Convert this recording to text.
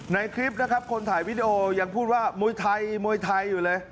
ในคลิปนะครับคนถ่ายวิดีโอยังพูดว่ามวยไทยมวยไทยอยู่เลย